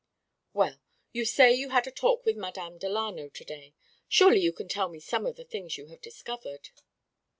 "Well you say you had a talk with Madame Delano to day. Surely you can tell me some of the things you have discovered."